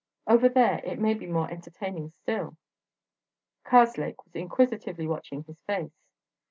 over there it may be more entertaining still!" Karslake was inquisitively watching his face.